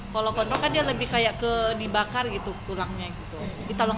kalau kondro kan dia lebih kaya dibakar gitu tulangnya gitu